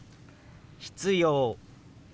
「必要」。